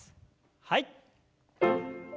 はい。